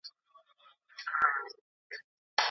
که د مطالعې فرهنګ وده وکړي نو علمي کچه به لوړه سي.